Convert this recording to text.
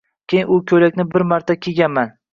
Keyin, u koʻylakni bir marta kiyganman